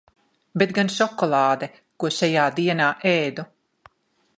Bet gan šokolāde, ko šajā dienā ēdu.